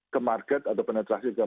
ke market atau penetrasi ke